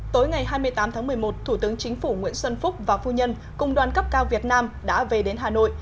tối ngày hai mươi tám tháng một mươi một thủ tướng chính phủ nguyễn xuân phúc và phu nhân cùng đoàn cấp cao việt nam đã về đến hà nội